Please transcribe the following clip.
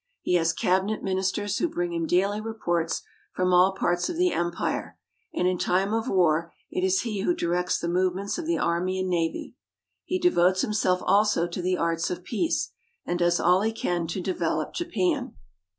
He has Cabinet Ministers who bring him daily reports from all parts of the empire ; and in time of war it is he who directs the movements of the army and navy. He devotes himself also to the arts of peace, and does all he can to develop Japan.